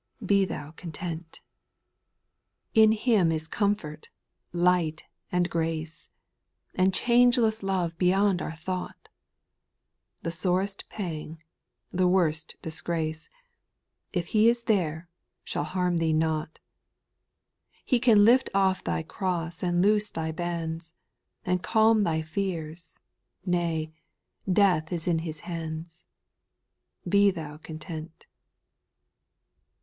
Be thou conteiiLt.. 884 SPIRITUAL SONGS, 2. In Him is comfort, light, and grace, And changeless love beyond our thought ; The sorest pang, the worst disgrace, If He is there, shall harm thee not. He can lift off thy cross, and loose thy bands, And calm thy fears, nay, death is in His hands. Be th(m content.